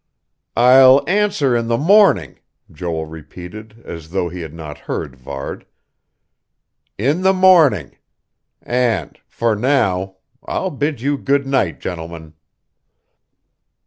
"I'll answer in the morning," Joel repeated, as though he had not heard Varde. "In the morning. And for now I'll bid you good night, gentlemen."